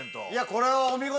これはお見事。